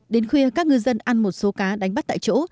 đến khuya các ngư dân ăn một số cá đánh bắt tại chỗ